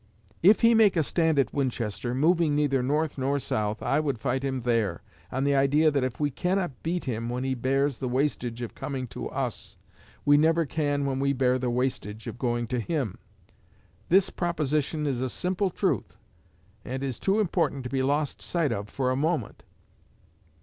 If he make a stand at Winchester, moving neither north nor south, I would fight him there, on the idea that if we cannot beat him when he bears the wastage of coming to us, we never can when we bear the wastage of going to him. This proposition is a simple truth, and is too important to be lost sight of for a moment.